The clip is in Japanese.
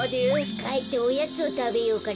かえっておやつをたべようかな。